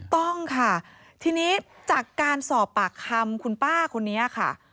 ต้องค่ะทีนี้จากการสอบปากคำคุณป้าคนนี้ค่ะ